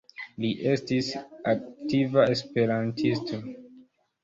Li estis aktiva esperantisto.